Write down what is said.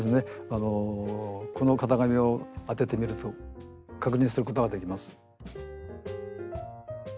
あのこの型紙を当ててみると確認することができます。